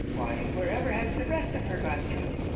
Why, wherever has the rest of her got to?